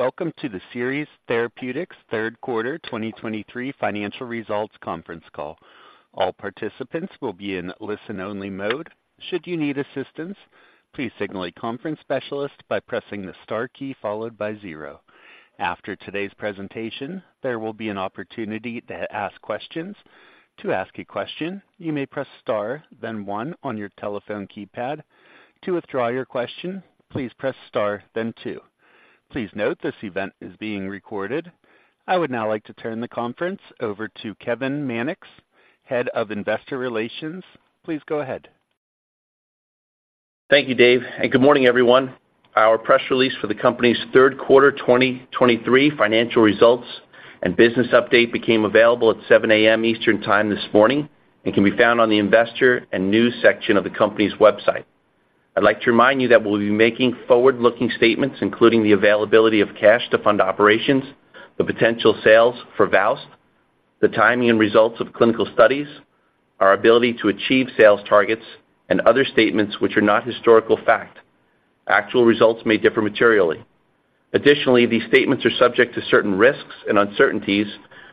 Welcome to the Seres Therapeutics Third Quarter 2023 Financial Results Conference Call. All participants will be in listen-only mode. Should you need assistance, please signal a conference specialist by pressing the star key followed by zero. After today's presentation, there will be an opportunity to ask questions. To ask a question, you may press star, then one on your telephone keypad. To withdraw your question, please press star, then two. Please note, this event is being recorded. I would now like to turn the conference over to Kevin Mannix, Head of Investor Relations. Please go ahead. Thank you, Dave, and good morning, everyone. Our press release for the company's third quarter 2023 financial results and business update became available at 7 A.M. Eastern Time this morning and can be found on the investor and news section of the company's website. I'd like to remind you that we'll be making forward-looking statements, including the availability of cash to fund operations, the potential sales for VOWST, the timing and results of clinical studies, our ability to achieve sales targets, and other statements which are not historical fact. Actual results may differ materially. Additionally, these statements are subject to certain risks and uncertainties,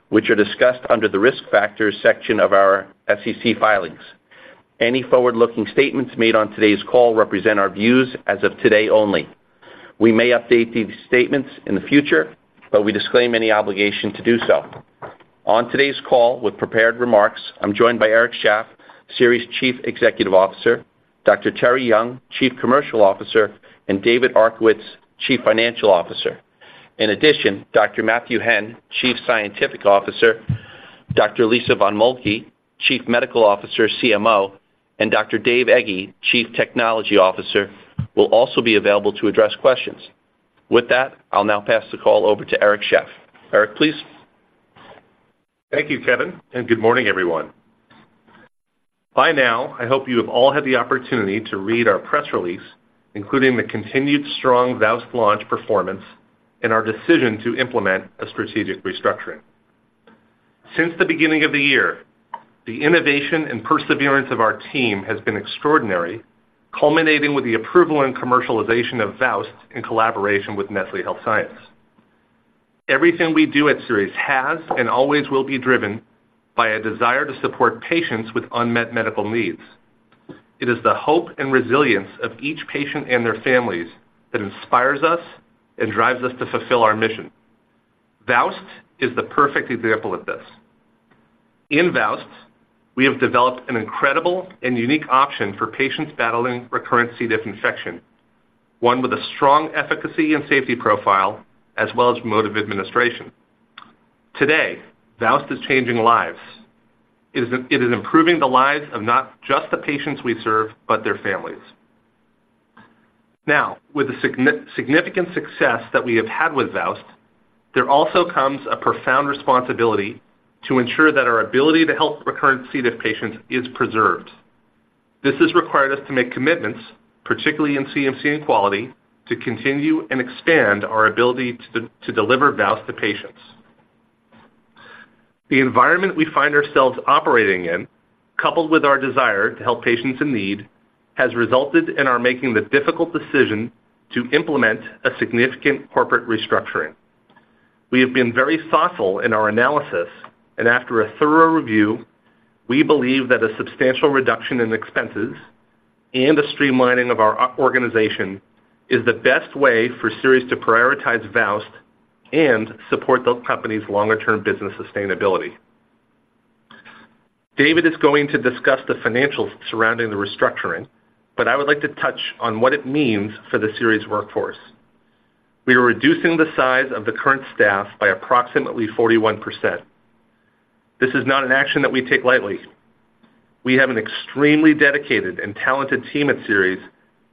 which are discussed under the Risk Factors section of our SEC filings. Any forward-looking statements made on today's call represent our views as of today only. We may update these statements in the future, but we disclaim any obligation to do so. On today's call with prepared remarks, I'm joined by Eric Shaff, Seres' Chief Executive Officer, Dr. Terri Young, Chief Commercial Officer, and David Arkowitz, Chief Financial Officer. In addition, Dr. Matthew Henn, Chief Scientific Officer, Dr. Lisa von Moltke, Chief Medical Officer, CMO, and Dr. David Ege, Chief Technology Officer, will also be available to address questions. With that, I'll now pass the call over to Eric Shaff. Eric, please. Thank you, Kevin, and good morning, everyone. By now, I hope you have all had the opportunity to read our press release, including the continued strong VOWST launch performance and our decision to implement a strategic restructuring. Since the beginning of the year, the innovation and perseverance of our team has been extraordinary, culminating with the approval and commercialization of VOWST in collaboration with Nestlé Health Science. Everything we do at Seres has and always will be driven by a desire to support patients with unmet medical needs. It is the hope and resilience of each patient and their families that inspires us and drives us to fulfill our mission. VOWST is the perfect example of this. In VOWST, we have developed an incredible and unique option for patients battling recurrent C. diff infection, one with a strong efficacy and safety profile, as well as mode of administration. Today, VOWST is changing lives. It is improving the lives of not just the patients we serve, but their families. Now, with the significant success that we have had with VOWST, there also comes a profound responsibility to ensure that our ability to help recurrent C. diff patients is preserved. This has required us to make commitments, particularly in CMC and quality, to continue and expand our ability to deliver VOWST to patients. The environment we find ourselves operating in, coupled with our desire to help patients in need, has resulted in our making the difficult decision to implement a significant corporate restructuring. We have been very thoughtful in our analysis, and after a thorough review, we believe that a substantial reduction in expenses and a streamlining of our organization is the best way for Seres to prioritize VOWST and support the company's longer-term business sustainability. David is going to discuss the financials surrounding the restructuring, but I would like to touch on what it means for the Seres workforce. We are reducing the size of the current staff by approximately 41%. This is not an action that we take lightly. We have an extremely dedicated and talented team at Seres,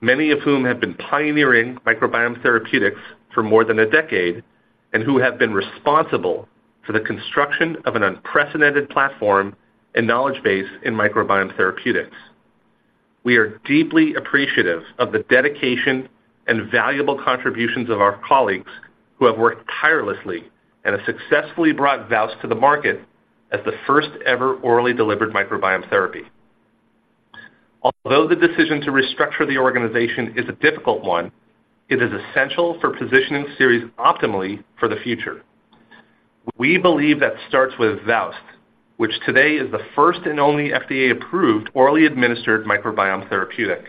many of whom have been pioneering microbiome therapeutics for more than a decade and who have been responsible for the construction of an unprecedented platform and knowledge base in microbiome therapeutics. We are deeply appreciative of the dedication and valuable contributions of our colleagues, who have worked tirelessly and have successfully brought VOWST to the market as the first-ever orally delivered microbiome therapy. Although the decision to restructure the organization is a difficult one, it is essential for positioning Seres optimally for the future. We believe that starts with VOWST, which today is the first and only FDA-approved orally administered microbiome therapeutic.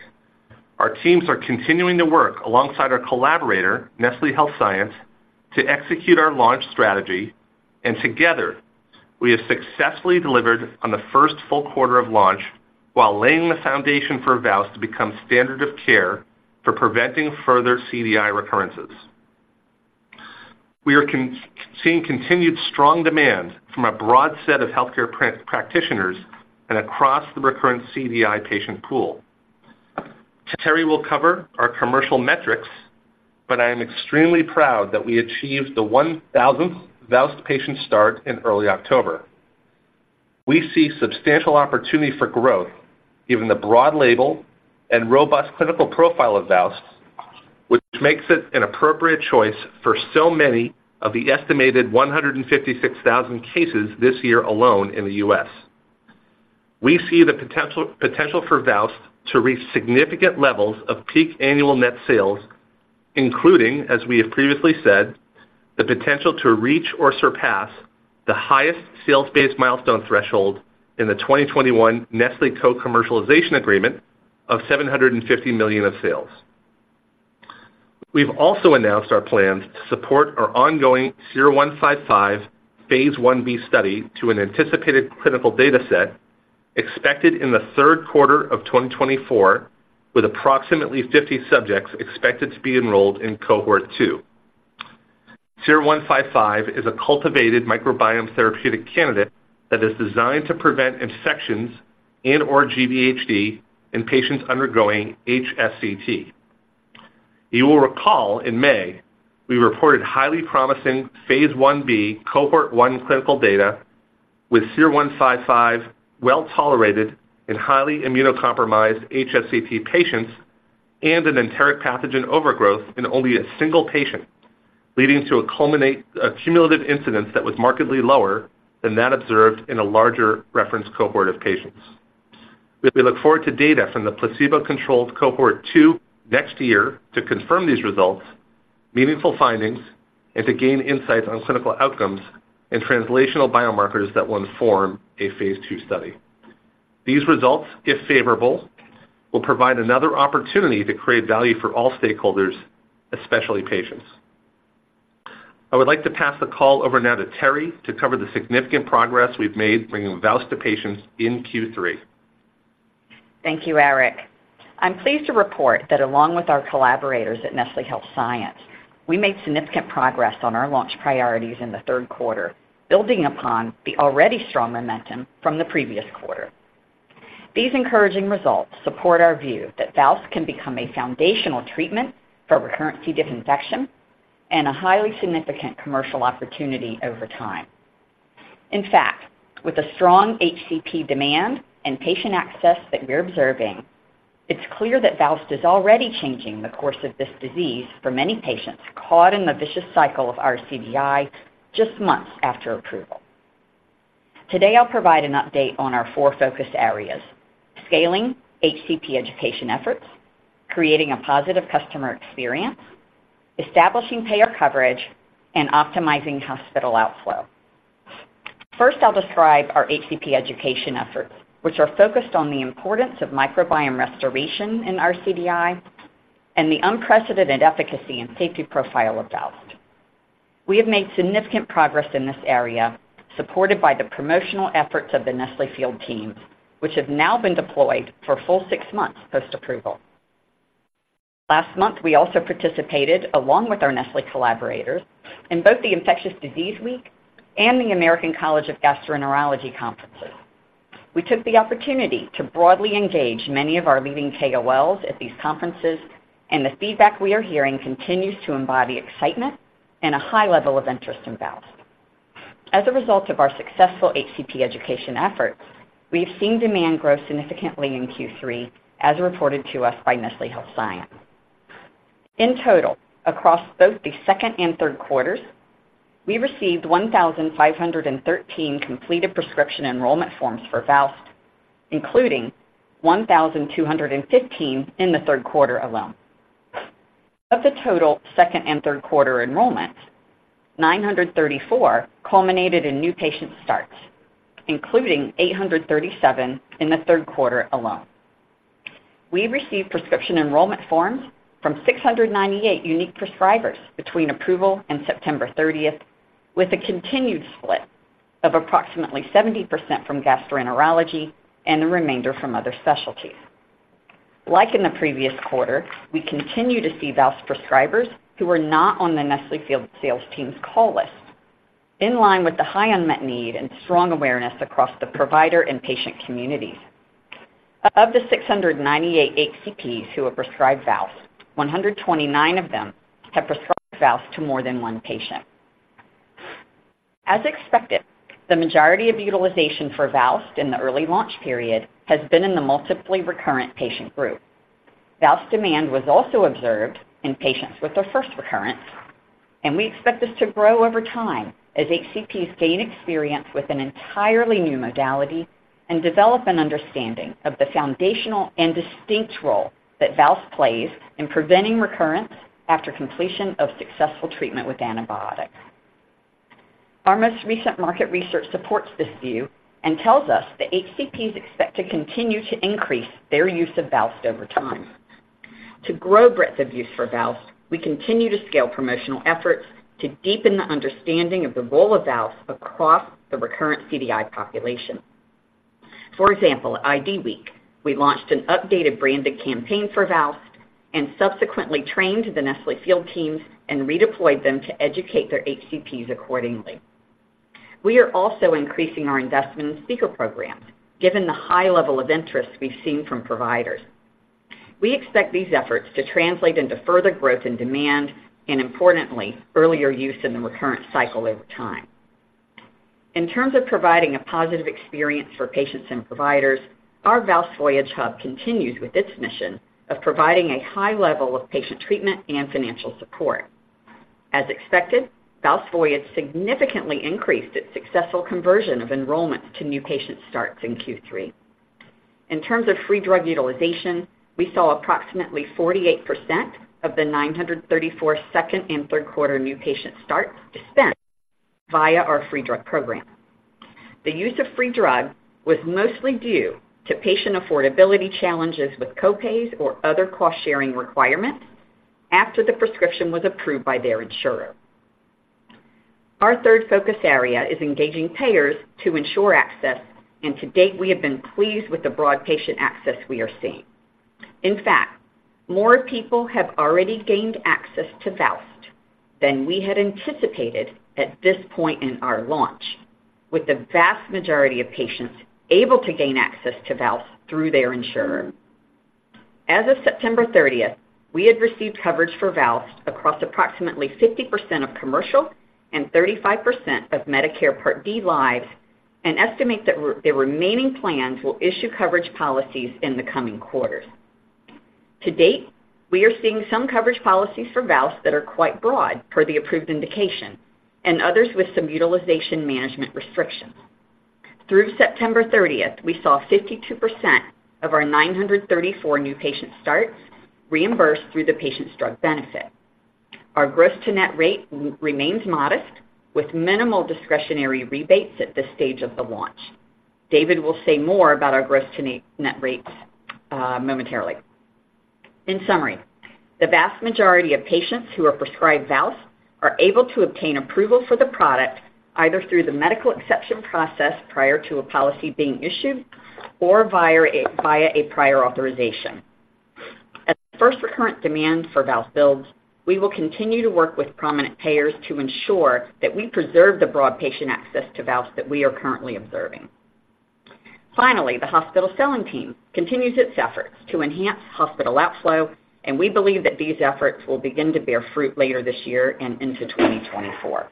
Our teams are continuing to work alongside our collaborator, Nestlé Health Science, to execute our launch strategy, and together, we have successfully delivered on the first full quarter of launch while laying the foundation for VOWST to become standard of care for preventing further CDI recurrences. We are seeing continued strong demand from a broad set of healthcare practitioners and across the recurrent CDI patient pool. Terri will cover our commercial metrics, but I am extremely proud that we achieved the 1,000th VOWST patient start in early October. We see substantial opportunity for growth, given the broad label and robust clinical profile of VOWST, which makes it an appropriate choice for so many of the estimated 156,000 cases this year alone in the U.S.... We see the potential, potential for VOWST to reach significant levels of peak annual net sales, including, as we have previously said, the potential to reach or surpass the highest sales-based milestone threshold in the 2021 Nestlé co-commercialization agreement of $750 million of sales. We've also announced our plans to support our ongoing SER-155 phase 1b study to an anticipated clinical data set expected in the third quarter of 2024, with approximately 50 subjects expected to be enrolled in cohort two. SER-155 is a cultivated microbiome therapeutic candidate that is designed to prevent infections and or GVHD in patients undergoing HSCT. You will recall in May, we reported highly promising phase 1b, cohort 1 clinical data with SER-155, well-tolerated in highly immunocompromised HSCT patients and an enteric pathogen overgrowth in only a single patient, leading to a cumulative incidence that was markedly lower than that observed in a larger reference cohort of patients. We look forward to data from the placebo-controlled cohort 2 next year to confirm these results, meaningful findings, and to gain insights on clinical outcomes and translational biomarkers that will inform a phase 2 study. These results, if favorable, will provide another opportunity to create value for all stakeholders, especially patients. I would like to pass the call over now to Terri to cover the significant progress we've made bringing VOWST to patients in Q3. Thank you, Eric. I'm pleased to report that along with our collaborators at Nestlé Health Science, we made significant progress on our launch priorities in the third quarter, building upon the already strong momentum from the previous quarter. These encouraging results support our view that VOWST can become a foundational treatment for recurrent C. diff infection and a highly significant commercial opportunity over time. In fact, with a strong HCP demand and patient access that we're observing, it's clear that VOWST is already changing the course of this disease for many patients caught in the vicious cycle of RCDI just months after approval. Today, I'll provide an update on our four focus areas, scaling HCP education efforts, creating a positive customer experience, establishing payer coverage, and optimizing hospital outflow. First, I'll describe our HCP education efforts, which are focused on the importance of microbiome restoration in RCDI and the unprecedented efficacy and safety profile of VOWST. We have made significant progress in this area, supported by the promotional efforts of the Nestlé field teams, which have now been deployed for a full six months post-approval. Last month, we also participated, along with our Nestlé collaborators, in both the Infectious Disease Week and the American College of Gastroenterology conferences. We took the opportunity to broadly engage many of our leading KOLs at these conferences, and the feedback we are hearing continues to embody excitement and a high level of interest in VOWST. As a result of our successful HCP education efforts, we've seen demand grow significantly in Q3, as reported to us by Nestlé Health Science. In total, across both the second and third quarters, we received 1,513 completed prescription enrollment forms for VOWST, including 1,215 in the third quarter alone. Of the total second and third quarter enrollments, 934 culminated in new patient starts, including 837 in the third quarter alone. We received prescription enrollment forms from 698 unique prescribers between approval and September 30th, with a continued split of approximately 70% from gastroenterology and the remainder from other specialties. Like in the previous quarter, we continue to see VOWST prescribers who are not on the Nestlé field sales team's call list, in line with the high unmet need and strong awareness across the provider and patient communities. Of the 698 HCPs who have prescribed VOWST, 129 of them have prescribed VOWST to more than one patient. As expected, the majority of utilization for VOWST in the early launch period has been in the multiply recurrent patient group. VOWST demand was also observed in patients with their first recurrence, and we expect this to grow over time as HCPs gain experience with an entirely new modality and develop an understanding of the foundational and distinct role that VOWST plays in preventing recurrence after completion of successful treatment with antibiotics. Our most recent market research supports this view and tells us that HCPs expect to continue to increase their use of VOWST over time. To grow breadth of use for VOWST, we continue to scale promotional efforts to deepen the understanding of the role of VOWST across the recurrent CDI population. For example, at ID Week, we launched an updated branded campaign for VOWST and subsequently trained the Nestlé field teams and redeployed them to educate their HCPs accordingly. We are also increasing our investment in speaker programs, given the high level of interest we've seen from providers. We expect these efforts to translate into further growth and demand, and importantly, earlier use in the recurrent cycle over time. In terms of providing a positive experience for patients and providers, our VOWST Voyage Hub continues with its mission of providing a high level of patient treatment and financial support. As expected, VOWST Voyage Hub significantly increased its successful conversion of enrollments to new patient starts in Q3. In terms of free drug utilization, we saw approximately 48% of the 934 second- and third-quarter new patient starts dispensed via our free drug program. The use of free drug was mostly due to patient affordability challenges with co-pays or other cost-sharing requirements after the prescription was approved by their insurer. Our third focus area is engaging payers to ensure access, and to date, we have been pleased with the broad patient access we are seeing. In fact, more people have already gained access to VOWST than we had anticipated at this point in our launch, with the vast majority of patients able to gain access to VOWST through their insurer. As of September 30th, we had received coverage for VOWST across approximately 50% of commercial and 35% of Medicare Part D lives, and estimate that the remaining plans will issue coverage policies in the coming quarters. To date, we are seeing some coverage policies for VOWST that are quite broad per the approved indication and others with some utilization management restrictions. Through September 30th, we saw 52% of our 934 new patient starts reimbursed through the patient's drug benefit. Our gross-to-net rate remains modest, with minimal discretionary rebates at this stage of the launch. David will say more about our gross-to-net, net rates, momentarily. In summary, the vast majority of patients who are prescribed VOWST are able to obtain approval for the product either through the medical exception process prior to a policy being issued or via a prior authorization. As first recurrent demand for VOWST builds, we will continue to work with prominent payers to ensure that we preserve the broad patient access to VOWST that we are currently observing. Finally, the hospital selling team continues its efforts to enhance hospital outflow, and we believe that these efforts will begin to bear fruit later this year and into 2024.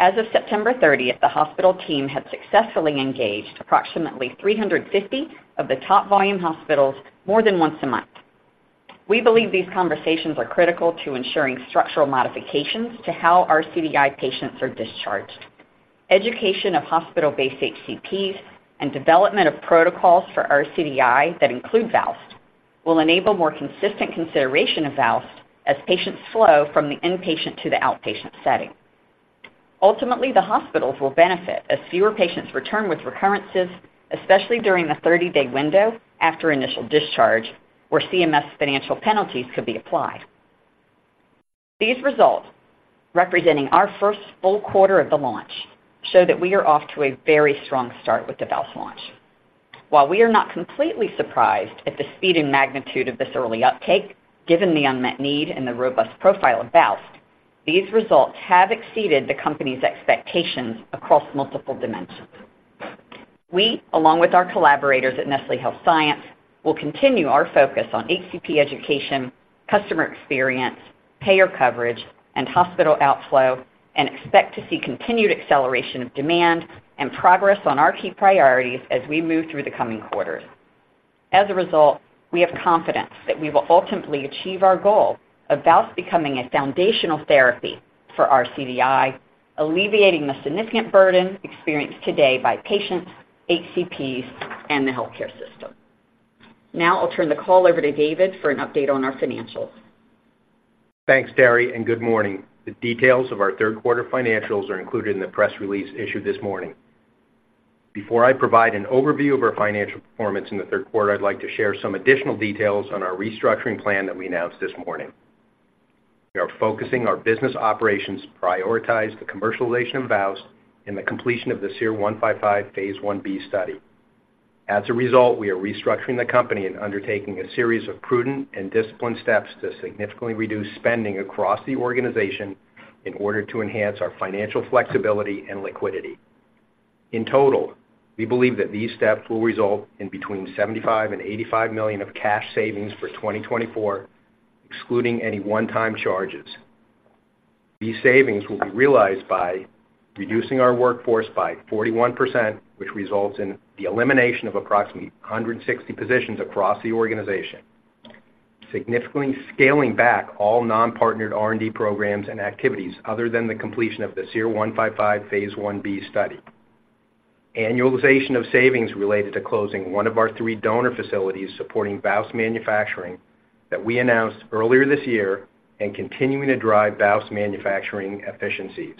As of September 30th, the hospital team had successfully engaged approximately 350 of the top volume hospitals more than once a month. We believe these conversations are critical to ensuring structural modifications to how RCDI patients are discharged. Education of hospital-based HCPs and development of protocols for RCDI that include VOWST will enable more consistent consideration of VOWST as patients flow from the inpatient to the outpatient setting. Ultimately, the hospitals will benefit as fewer patients return with recurrences, especially during the 30-day window after initial discharge, where CMS financial penalties could be applied. These results, representing our first full quarter of the launch, show that we are off to a very strong start with the VOWST launch. While we are not completely surprised at the speed and magnitude of this early uptake, given the unmet need and the robust profile of VOWST, these results have exceeded the company's expectations across multiple dimensions. We, along with our collaborators at Nestlé Health Science, will continue our focus on HCP education, customer experience, payer coverage, and hospital outflow, and expect to see continued acceleration of demand and progress on our key priorities as we move through the coming quarters. As a result, we have confidence that we will ultimately achieve our goal of VOWST becoming a foundational therapy for RCDI, alleviating the significant burden experienced today by patients, HCPs, and the healthcare system. Now I'll turn the call over to David for an update on our financials. Thanks, Terri, and good morning. The details of our third quarter financials are included in the press release issued this morning. Before I provide an overview of our financial performance in the third quarter, I'd like to share some additional details on our restructuring plan that we announced this morning. We are focusing our business operations to prioritize the commercialization of VOWST and the completion of the SER-155 phase 1b study. As a result, we are restructuring the company and undertaking a series of prudent and disciplined steps to significantly reduce spending across the organization in order to enhance our financial flexibility and liquidity. In total, we believe that these steps will result in between $75 million and $85 million of cash savings for 2024, excluding any one-time charges. These savings will be realized by reducing our workforce by 41%, which results in the elimination of approximately 160 positions across the organization, significantly scaling back all non-partnered R&D programs and activities other than the completion of the SER-155 phase Ib study. Annualization of savings related to closing one of our 3 donor facilities supporting VOWST manufacturing that we announced earlier this year and continuing to drive VOWST manufacturing efficiencies.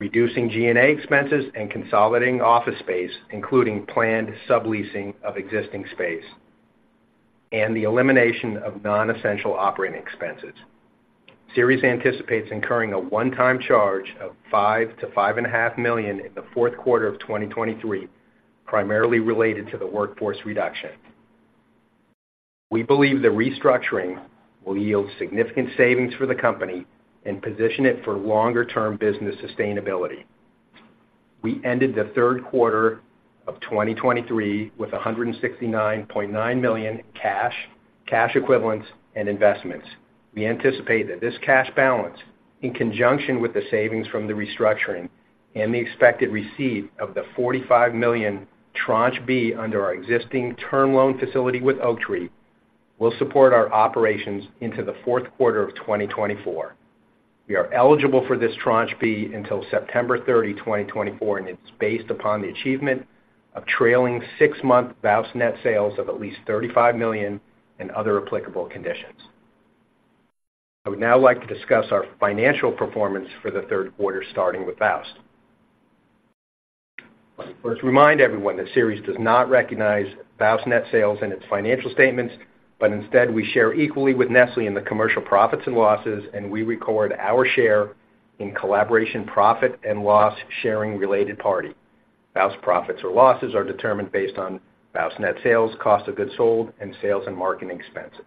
Reducing G&A expenses and consolidating office space, including planned subleasing of existing space, and the elimination of non-essential operating expenses. Seres anticipates incurring a one-time charge of $5 million-$5.5 million in the fourth quarter of 2023, primarily related to the workforce reduction. We believe the restructuring will yield significant savings for the company and position it for longer-term business sustainability. We ended the third quarter of 2023 with $169.9 million cash, cash equivalents, and investments. We anticipate that this cash balance, in conjunction with the savings from the restructuring, and the expected receipt of the $45 million tranche B under our existing term loan facility with Oaktree will support our operations into the fourth quarter of 2024. We are eligible for this tranche B until September 30, 2024, and it's based upon the achievement of trailing six-month VOWST net sales of at least $35 million and other applicable conditions. I would now like to discuss our financial performance for the third quarter, starting with VOWST. Let me first remind everyone that Seres does not recognize VOWST net sales in its financial statements, but instead, we share equally with Nestlé in the commercial profits and losses, and we record our share in collaboration, profit and loss, sharing related party. VOWST profits or losses are determined based on VOWST net sales, cost of goods sold, and sales and marketing expenses.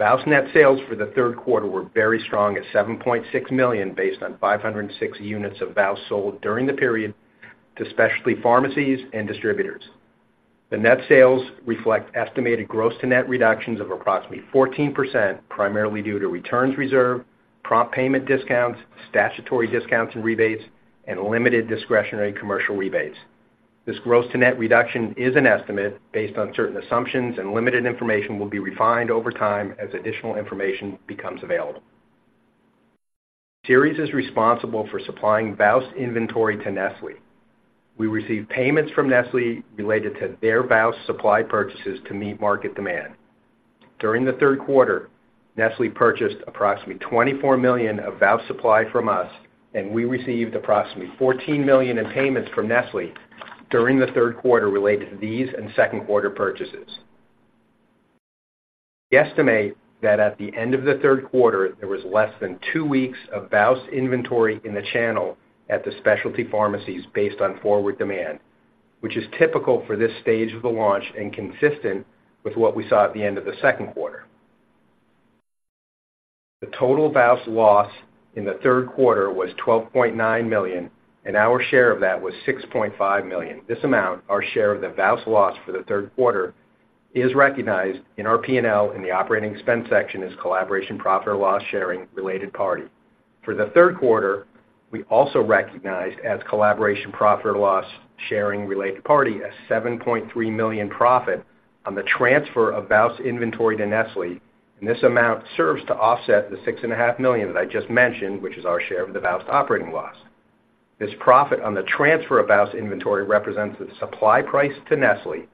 VOWST net sales for the third quarter were very strong at $7.6 million, based on 560 units of VOWST sold during the period to specialty pharmacies and distributors. The net sales reflect estimated gross to net reductions of approximately 14%, primarily due to returns reserve, prompt payment discounts, statutory discounts and rebates, and limited discretionary commercial rebates. This gross to net reduction is an estimate based on certain assumptions, and limited information will be refined over time as additional information becomes available. Seres is responsible for supplying VOWST inventory to Nestlé. We receive payments from Nestlé related to their VOWST supply purchases to meet market demand. During the third quarter, Nestlé purchased approximately $24 million of VOWST supply from us, and we received approximately $14 million in payments from Nestlé during the third quarter related to these and second quarter purchases. We estimate that at the end of the third quarter, there was less than two weeks of VOWST inventory in the channel at the specialty pharmacies based on forward demand, which is typical for this stage of the launch and consistent with what we saw at the end of the second quarter. The total VOWST loss in the third quarter was $12.9 million, and our share of that was $6.5 million. This amount, our share of the VOWST loss for the third quarter, is recognized in our P&L in the operating expense section as collaboration, profit, or loss sharing related party. For the third quarter, we also recognized as collaboration, profit or loss sharing related party a $7.3 million profit on the transfer of VOWST inventory to Nestlé, and this amount serves to offset the $6.5 million that I just mentioned, which is our share of the VOWST operating loss. This profit on the transfer of VOWST inventory represents the supply price to Nestlé,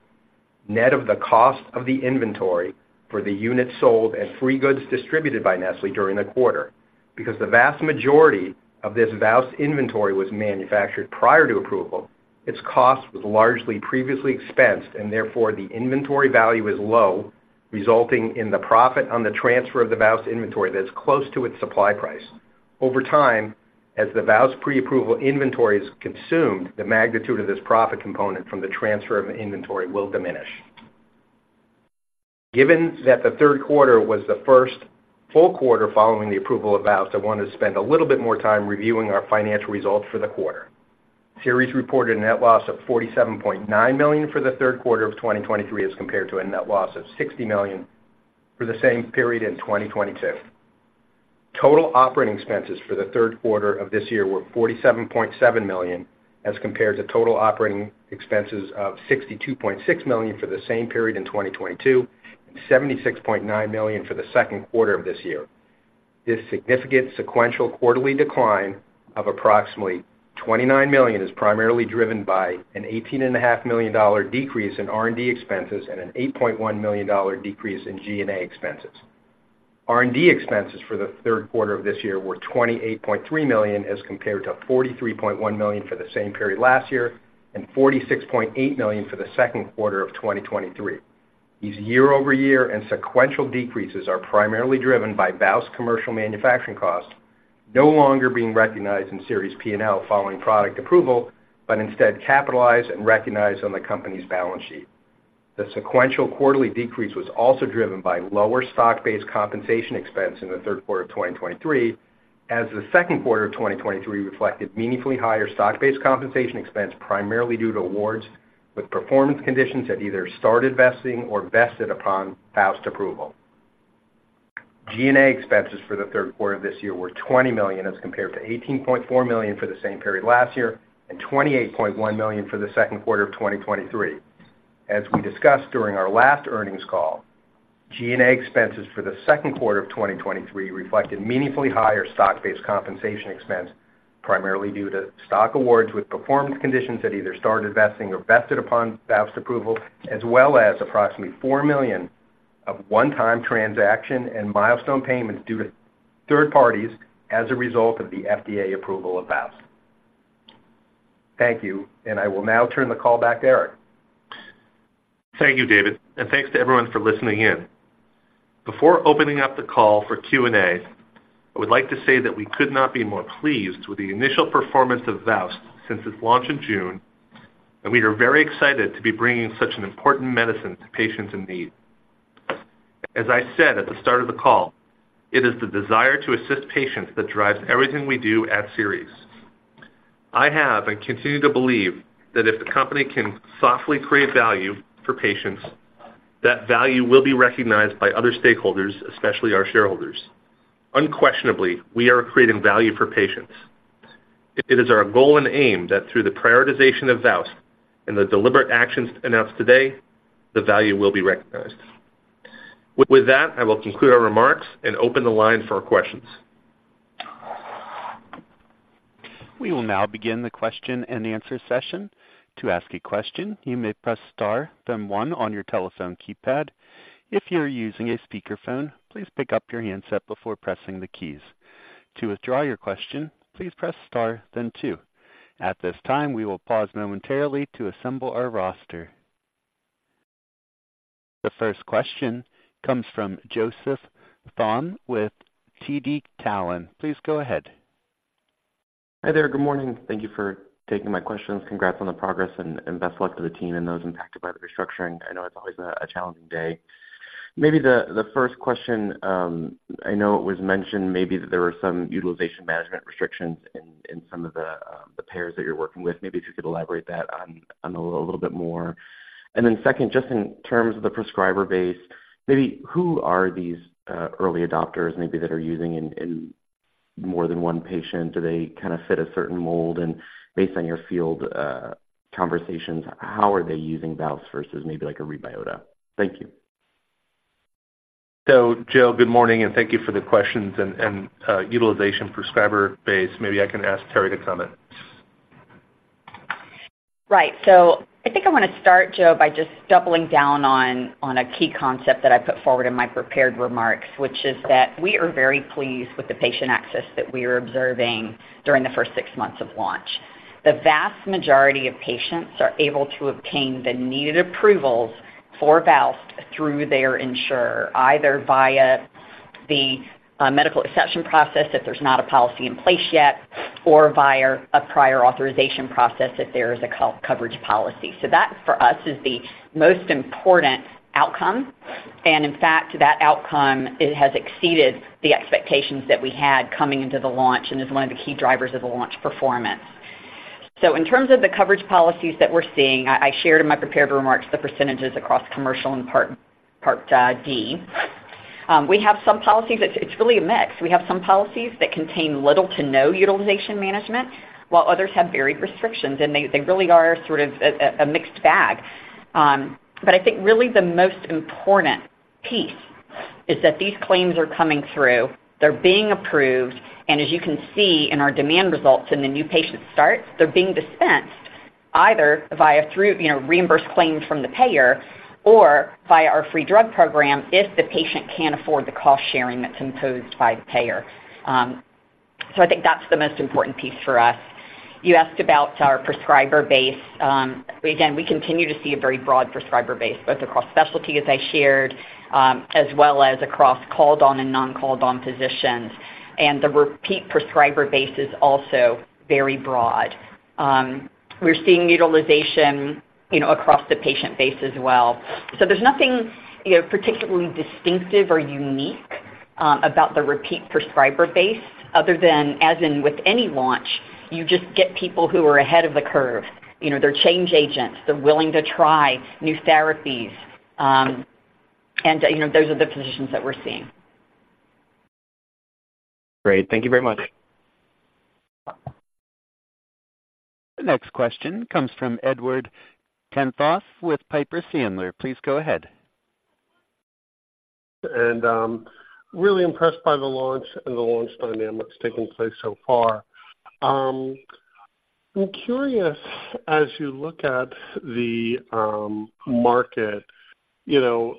net of the cost of the inventory for the units sold and free goods distributed by Nestlé during the quarter. Because the vast majority of this VOWST inventory was manufactured prior to approval, its cost was largely previously expensed, and therefore, the inventory value is low, resulting in the profit on the transfer of the VOWST inventory that's close to its supply price. Over time, as the VOWST pre-approval inventory is consumed, the magnitude of this profit component from the transfer of inventory will diminish. Given that the third quarter was the first full quarter following the approval of VOWST, I want to spend a little bit more time reviewing our financial results for the quarter. Seres reported a net loss of $47.9 million for the third quarter of 2023, as compared to a net loss of $60 million for the same period in 2022. Total operating expenses for the third quarter of this year were $47.7 million, as compared to total operating expenses of $62.6 million for the same period in 2022, and $76.9 million for the second quarter of this year. This significant sequential quarterly decline of approximately $29 million is primarily driven by an $18.5 million decrease in R&D expenses and an $8.1 million decrease in G&A expenses. R&D expenses for the third quarter of this year were $28.3 million, as compared to $43.1 million for the same period last year and $46.8 million for the second quarter of 2023. These year-over-year and sequential decreases are primarily driven by VOWST commercial manufacturing costs no longer being recognized in Seres' P&L following product approval, but instead capitalized and recognized on the company's balance sheet. The sequential quarterly decrease was also driven by lower stock-based compensation expense in the third quarter of 2023, as the second quarter of 2023 reflected meaningfully higher stock-based compensation expense, primarily due to awards with performance conditions that either started vesting or vested upon VOWST approval. G&A expenses for the third quarter of this year were $20 million, as compared to $18.4 million for the same period last year and $28.1 million for the second quarter of 2023. As we discussed during our last earnings call, G&A expenses for the second quarter of 2023 reflected meaningfully higher stock-based compensation expense, primarily due to stock awards with performance conditions that either started vesting or vested upon VOWST approval, as well as approximately $4 million of one-time transaction and milestone payments due to third parties as a result of the FDA approval of VOWST. Thank you, and I will now turn the call back to Eric. Thank you, David, and thanks to everyone for listening in. Before opening up the call for Q&A, I would like to say that we could not be more pleased with the initial performance of VOWST since its launch in June, and we are very excited to be bringing such an important medicine to patients in need. As I said at the start of the call, it is the desire to assist patients that drives everything we do at Seres. I have, and continue to believe that if the company can softly create value for patients. That value will be recognized by other stakeholders, especially our shareholders. Unquestionably, we are creating value for patients. It is our goal and aim that through the prioritization of VOWST and the deliberate actions announced today, the value will be recognized. With that, I will conclude our remarks and open the line for questions. We will now begin the question-and-answer session. To ask a question, you may press Star, then One on your telephone keypad. If you're using a speakerphone, please pick up your handset before pressing the keys. To withdraw your question, please press Star then Two. At this time, we will pause momentarily to assemble our roster. The first question comes from Joseph Thome with TD Cowen. Please go ahead. Hi there. Good morning. Thank you for taking my questions. Congrats on the progress and best luck to the team and those impacted by the restructuring. I know it's always a challenging day. Maybe the first question, I know it was mentioned maybe that there were some utilization management restrictions in some of the payers that you're working with. Maybe if you could elaborate that on a little bit more. And then second, just in terms of the prescriber base, maybe who are these early adopters maybe that are using in more than one patient? Do they kind of fit a certain mold? And based on your field conversations, how are they using VOWST versus maybe like a REBYOTA? Thank you. So, Joe, good morning, and thank you for the questions and utilization prescriber base. Maybe I can ask Terri to comment. Right. So I think I want to start, Joe, by just doubling down on, on a key concept that I put forward in my prepared remarks, which is that we are very pleased with the patient access that we are observing during the first six months of launch. The vast majority of patients are able to obtain the needed approvals for VOWST through their insurer, either via the medical exception process, if there's not a policy in place yet, or via a prior authorization process, if there is a health coverage policy. So that, for us, is the most important outcome, and in fact, that outcome, it has exceeded the expectations that we had coming into the launch and is one of the key drivers of the launch performance. So in terms of the coverage policies that we're seeing, I shared in my prepared remarks the percentages across commercial and Part D. We have some policies, it's really a mix. We have some policies that contain little to no utilization management, while others have varied restrictions, and they really are sort of a mixed bag. But I think really the most important piece is that these claims are coming through, they're being approved, and as you can see in our demand results in the new patient starts, they're being dispensed either via through, you know, reimbursed claims from the payer or via our free drug program if the patient can't afford the cost-sharing that's imposed by the payer. So I think that's the most important piece for us. You asked about our prescriber base. We again, we continue to see a very broad prescriber base, both across specialty, as I shared, as well as across called-on and non-called-on physicians. And the repeat prescriber base is also very broad. We're seeing utilization, you know, across the patient base as well. So there's nothing, you know, particularly distinctive or unique, about the repeat prescriber base other than as in with any launch, you just get people who are ahead of the curve. You know, they're change agents. They're willing to try new therapies, and, you know, those are the physicians that we're seeing. Great. Thank you very much. The next question comes from Edward Tenthoff with Piper Sandler. Please go ahead. And, really impressed by the launch and the launch dynamics taking place so far. I'm curious, as you look at the market, you know,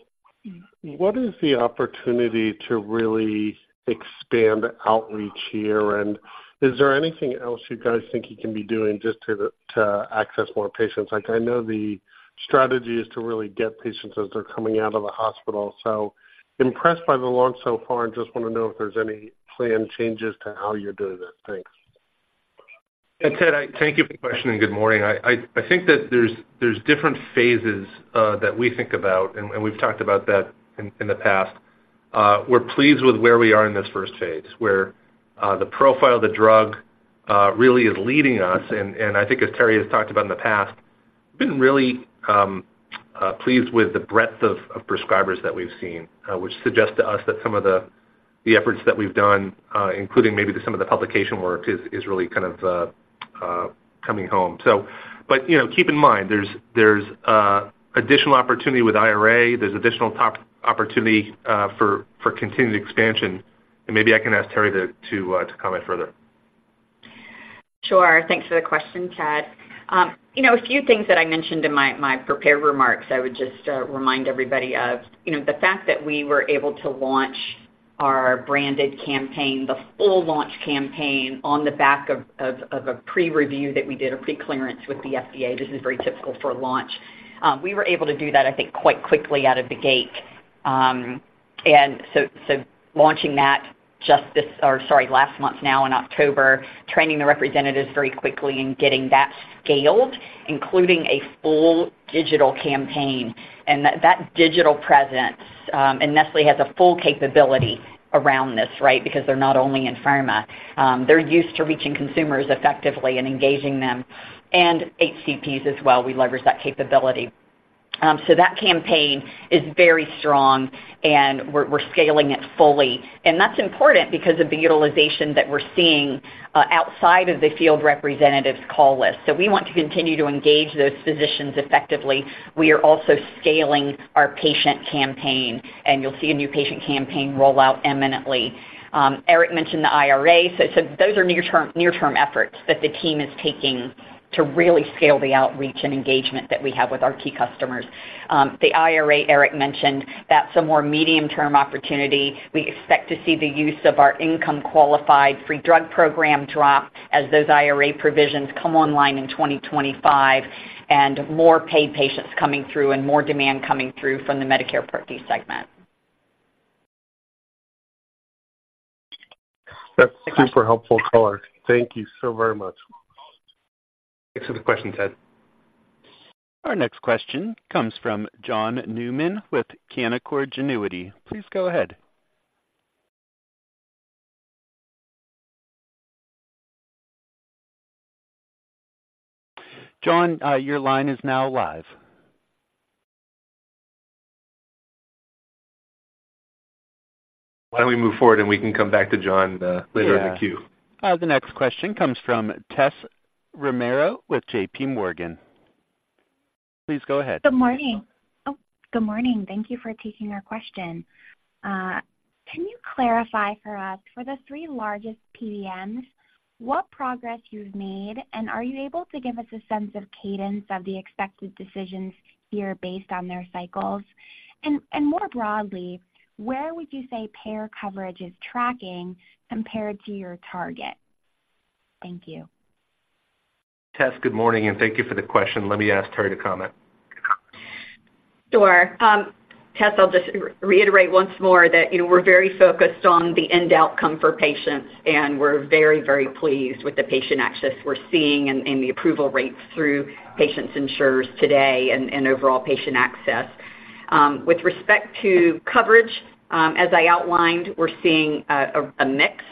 what is the opportunity to really expand outreach here? And is there anything else you guys think you can be doing just to access more patients? Like, I know the strategy is to really get patients as they're coming out of the hospital. So impressed by the launch so far and just want to know if there's any planned changes to how you're doing this. Thanks. Yeah, Ed, I thank you for the question, and good morning. I think that there's different phases that we think about, and we've talked about that in the past. We're pleased with where we are in this first phase, where the profile of the drug really is leading us. And I think as Terri has talked about in the past, been really pleased with the breadth of prescribers that we've seen, which suggests to us that some of the efforts that we've done, including maybe some of the publication work, is really kind of coming home. So, but, you know, keep in mind, there's additional opportunity with IRA. There's additional top opportunity for continued expansion, and maybe I can ask Terri to comment further. Sure. Thanks for the question, Ed. You know, a few things that I mentioned in my prepared remarks, I would just remind everybody of, you know, the fact that we were able to launch our branded campaign, the full launch campaign, on the back of a pre-review that we did, a pre-clearance with the FDA. This is very typical for a launch. We were able to do that, I think, quite quickly out of the gate. And so launching that just this, or sorry, last month now in October, training the representatives very quickly and getting that scaled, including a full digital campaign. And that digital presence, and Nestlé has a full capability around this, right? Because they're not only in pharma. They're used to reaching consumers effectively and engaging them and HCPs as well. We leverage that capability. So that campaign is very strong, and we're scaling it fully. That's important because of the utilization that we're seeing outside of the field representative's call list. So we want to continue to engage those physicians effectively. We are also scaling our patient campaign, and you'll see a new patient campaign roll out imminently. Eric mentioned the IRA, so those are near-term efforts that the team is taking to really scale the outreach and engagement that we have with our key customers. The IRA, Eric mentioned, that's a more medium-term opportunity. We expect to see the use of our income-qualified free drug program drop as those IRA provisions come online in 2025, and more paid patients coming through and more demand coming through from the Medicare Part D segment. That's super helpful color. Thank you so very much. Thanks for the question, Ed. Our next question comes from John Newman with Canaccord Genuity. Please go ahead. John, your line is now live. Why don't we move forward, and we can come back to John, later in the queue? Yeah. The next question comes from Tessa Romero with JPMorgan. Please go ahead. Good morning. Oh, good morning. Thank you for taking our question. Can you clarify for us, for the three largest PBMs, what progress you've made, and are you able to give us a sense of cadence of the expected decisions here based on their cycles? And, and more broadly, where would you say payer coverage is tracking compared to your target? Thank you. Tessa, good morning, and thank you for the question. Let me ask Terri to comment. Sure. Tessa, I'll just reiterate once more that, you know, we're very focused on the end outcome for patients, and we're very, very pleased with the patient access we're seeing and the approval rates through patients' insurers today and overall patient access. With respect to coverage, as I outlined, we're seeing a mix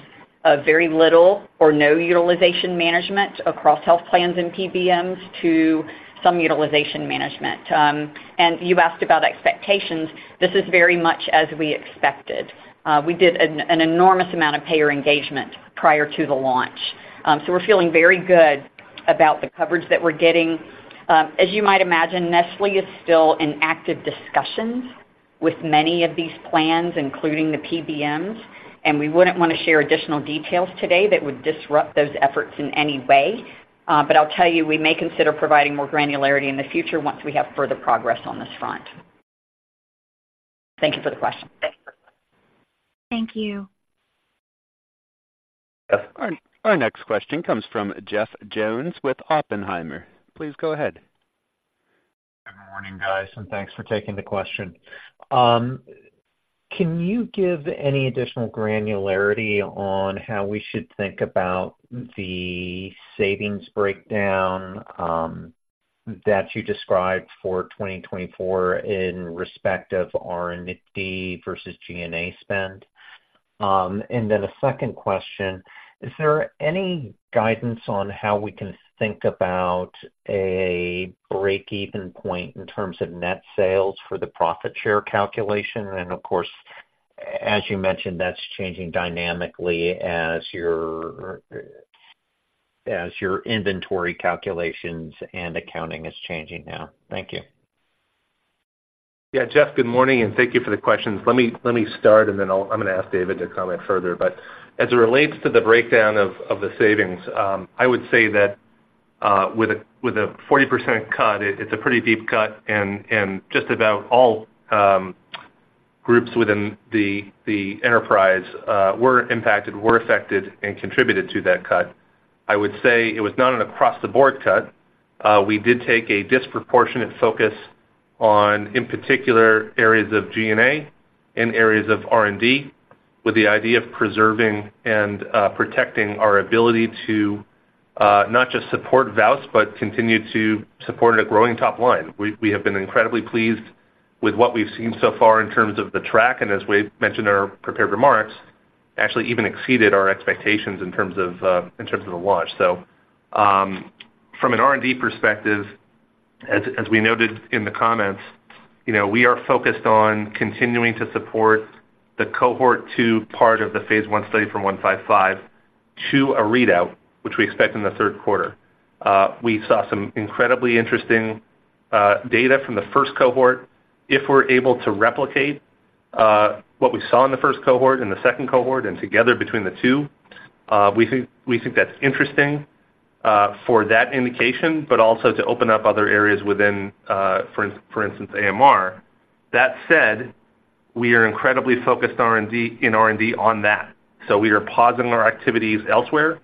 of very little or no utilization management across health plans and PBMs to some utilization management. And you asked about expectations. This is very much as we expected. We did an enormous amount of payer engagement prior to the launch. So we're feeling very good about the coverage that we're getting. As you might imagine, Nestlé is still in active discussions with many of these plans, including the PBMs, and we wouldn't want to share additional details today that would disrupt those efforts in any way. But I'll tell you, we may consider providing more granularity in the future once we have further progress on this front. Thank you for the question. Thank you. Our next question comes from Jeff Jones with Oppenheimer. Please go ahead. Good morning, guys, and thanks for taking the question. Can you give any additional granularity on how we should think about the savings breakdown, that you described for 2024 in respect of R&D versus G&A spend? And then a second question, is there any guidance on how we can think about a break-even point in terms of net sales for the profit share calculation? And of course, as you mentioned, that's changing dynamically as your inventory calculations and accounting is changing now. Thank you. Yeah, Jeff, good morning, and thank you for the questions. Let me, let me start, and then I'll, I'm gonna ask David to comment further. But as it relates to the breakdown of, of the savings, I would say that, with a, with a 40% cut, it's a pretty deep cut, and just about all groups within the, the enterprise were impacted, were affected, and contributed to that cut. I would say it was not an across-the-board cut. We did take a disproportionate focus on, in particular, areas of G&A and areas of R&D, with the idea of preserving and, protecting our ability to, not just support VOWST, but continue to support a growing top line. We have been incredibly pleased with what we've seen so far in terms of the traction, and as we've mentioned in our prepared remarks, actually even exceeded our expectations in terms of the launch. So, from an R&D perspective, as we noted in the comments, you know, we are focused on continuing to support the Cohort 2 part of the phase 1 study for SER-155 to a readout, which we expect in the third quarter. We saw some incredibly interesting data from the first cohort. If we're able to replicate what we saw in the first cohort and the second cohort, and together between the two, we think that's interesting for that indication, but also to open up other areas within, for instance, AMR. That said, we are incredibly focused R&D, in R&D on that. So we are pausing our activities elsewhere.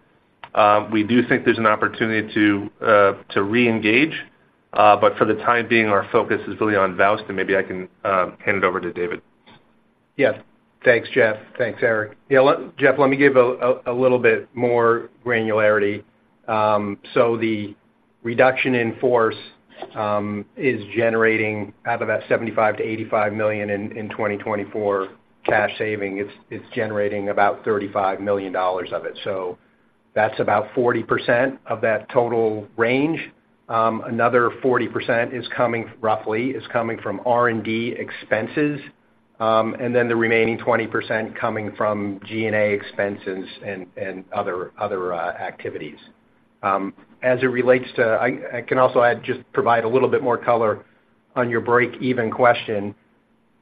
We do think there's an opportunity to reengage, but for the time being, our focus is really on VOWST, and maybe I can hand it over to David. Yes. Thanks, Jeff. Thanks, Eric. Yeah, Jeff, let me give a little bit more granularity. So the reduction in force is generating out of that $75 million-$85 million in 2024 cash saving. It's generating about $35 million of it. That's about 40% of that total range. Another 40% is coming, roughly, from R&D expenses, and then the remaining 20% coming from G&A expenses and other activities. As it relates to, I can also add, just provide a little bit more color on your break-even question.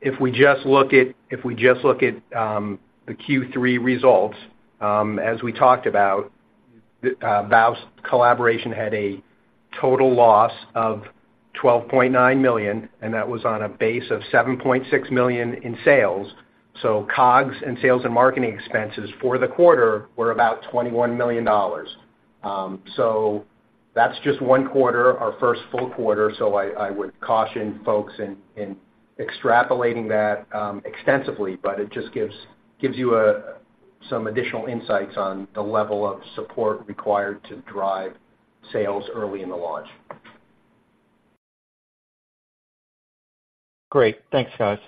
If we just look at the Q3 results, as we talked about, the VOWST collaboration had a total loss of $12.9 million, and that was on a base of $7.6 million in sales. So COGS and sales and marketing expenses for the quarter were about $21 million. So that's just one quarter, our first full quarter, so I would caution folks in extrapolating that extensively, but it just gives you some additional insights on the level of support required to drive sales early in the launch. Great. Thanks, guys.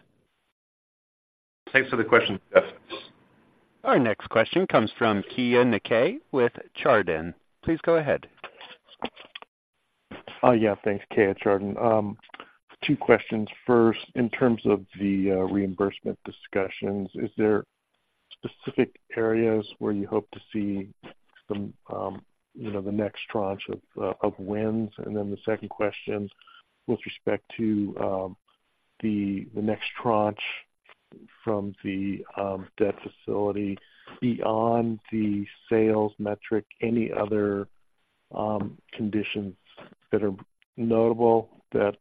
Thanks for the question, Jeff. Our next question comes from Keay Nakae with Chardan. Please go ahead. Yeah, thanks, Keay, Chardan. Two questions. First, in terms of the reimbursement discussions, is there specific areas where you hope to see some, you know, the next tranche of wins? And then the second question, with respect to the next tranche from the debt facility beyond the sales metric, any other conditions that are notable that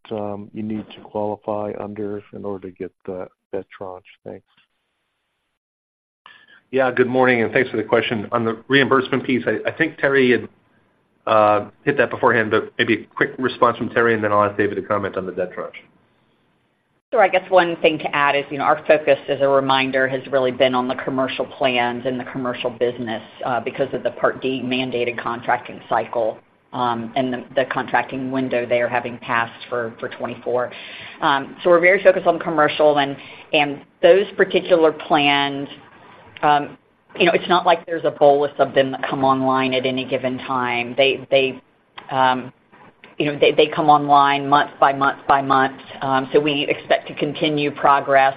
you need to qualify under in order to get that tranche? Thanks. Yeah, good morning, and thanks for the question. On the reimbursement piece, I think Terri had hit that beforehand, but maybe a quick response from Terri, and then I'll ask David to comment on the debt tranche. Sure. I guess one thing to add is, you know, our focus, as a reminder, has really been on the commercial plans and the commercial business, because of the Part D mandated contracting cycle, and the contracting window there having passed for 2024. So we're very focused on commercial and those particular plans, you know, it's not like there's a bolus of them that come online at any given time. They, you know, they come online month by month by month. So we expect to continue progress,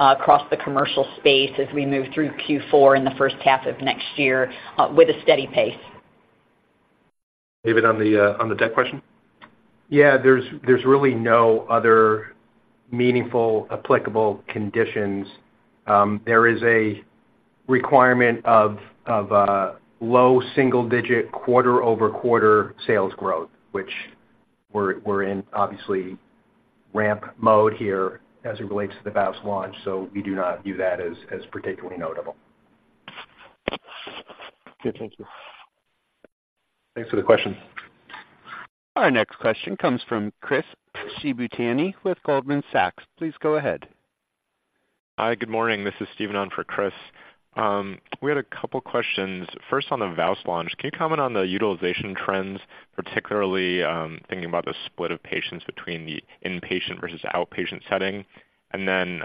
across the commercial space as we move through Q4 in the first half of next year, with a steady pace. David, on the, on the debt question? Yeah. There's really no other meaningful, applicable conditions. There is a requirement of low single-digit quarter-over-quarter sales growth, which we're in obviously ramp mode here as it relates to the VOWST launch, so we do not view that as particularly notable. Good. Thank you. Thanks for the question. Our next question comes from Chris Shibutani with Goldman Sachs. Please go ahead. Hi, good morning. This is Stephen on for Chris. We had a couple questions. First, on the VOWST launch, can you comment on the utilization trends, particularly thinking about the split of patients between the inpatient versus outpatient setting? And then,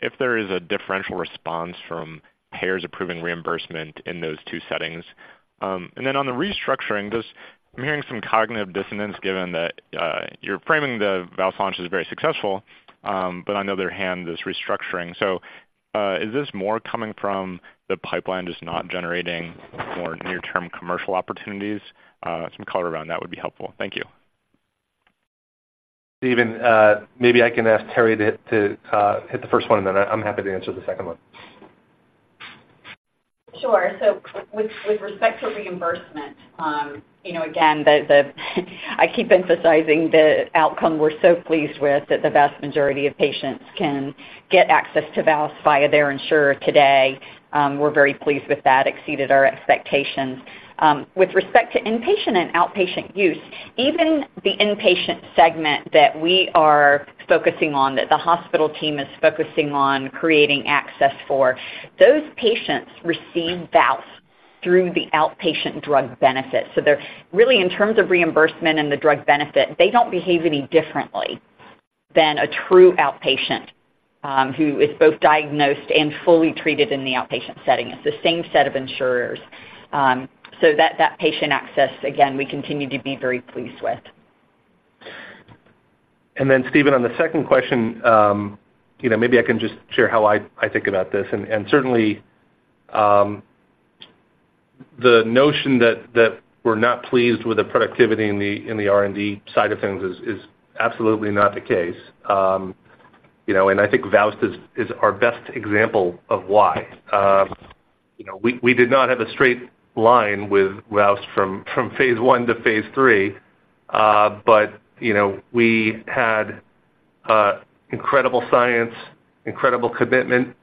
if there is a differential response from payers approving reimbursement in those two settings? And then on the restructuring, I'm hearing some cognitive dissonance, given that you're framing the VOWST launch as very successful, but on the other hand, this restructuring. So, is this more coming from the pipeline just not generating more near-term commercial opportunities? Some color around that would be helpful. Thank you. Stephen, maybe I can ask Terri to hit the first one, and then I'm happy to answer the second one. Sure. So with respect to reimbursement, you know, again, I keep emphasizing the outcome we're so pleased with, that the vast majority of patients can get access to VOWST via their insurer today. We're very pleased with that, exceeded our expectations. With respect to inpatient and outpatient use, even the inpatient segment that we are focusing on, that the hospital team is focusing on creating access for, those patients receive VOWST through the outpatient drug benefit. So they're really, in terms of reimbursement and the drug benefit, they don't behave any differently than a true outpatient, who is both diagnosed and fully treated in the outpatient setting. It's the same set of insurers. So that patient access, again, we continue to be very pleased with. Then, Stephen, on the second question, you know, maybe I can just share how I think about this. Certainly, the notion that we're not pleased with the productivity in the R&D side of things is absolutely not the case. You know, I think VOWST is our best example of why. You know, we did not have a straight line with VOWST from phase one to phase three. But you know, we had incredible science, incredible commitment,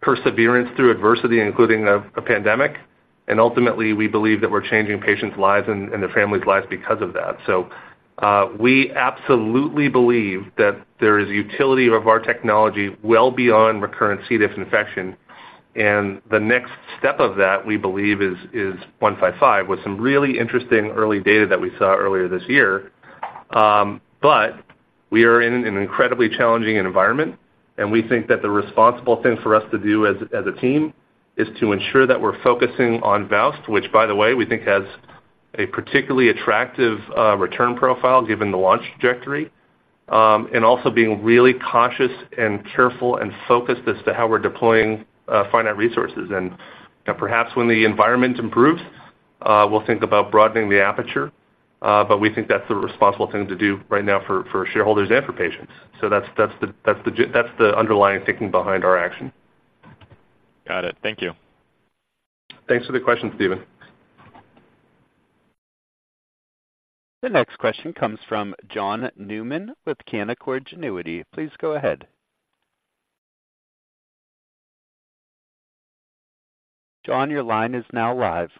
perseverance through adversity, including a pandemic, and ultimately, we believe that we're changing patients' lives and their families' lives because of that. So, we absolutely believe that there is utility of our technology well beyond recurrent C. diff infection, and the next step of that, we believe, is SER-155, with some really interesting early data that we saw earlier this year. But we are in an incredibly challenging environment, and we think that the responsible thing for us to do as a team is to ensure that we're focusing on VOWST, which, by the way, we think has a particularly attractive return profile, given the launch trajectory. And also being really cautious and careful and focused as to how we're deploying finite resources. And perhaps when the environment improves, we'll think about broadening the aperture, but we think that's the responsible thing to do right now for shareholders and for patients. So that's the underlying thinking behind our action. Got it. Thank you. Thanks for the question, Stephen. The next question comes from John Newman with Canaccord Genuity. Please go ahead. John, your line is now live.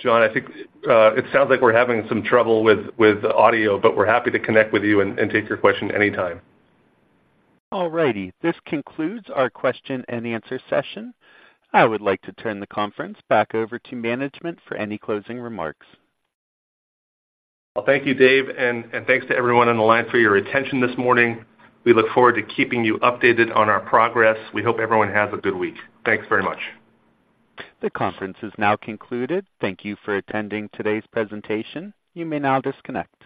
John, I think it sounds like we're having some trouble with the audio, but we're happy to connect with you and take your question anytime. All righty. This concludes our question and answer session. I would like to turn the conference back over to management for any closing remarks. Well, thank you, Dave, and thanks to everyone on the line for your attention this morning. We look forward to keeping you updated on our progress. We hope everyone has a good week. Thanks very much. The conference is now concluded. Thank you for attending today's presentation. You may now disconnect.